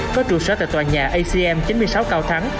có trụ sở tại tòa nhà acm chín mươi sáu cao thắng